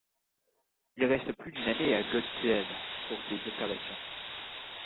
Il reste plus d'une année à Godthåb pour ses observations.